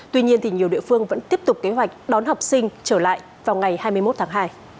tuy nhiên nhiều địa phương vẫn tiếp tục kế hoạch đón học sinh trở lại vào ngày hai mươi một tháng hai